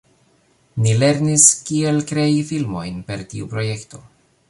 Ni lernis kiel krei filmojn per tiu projekto.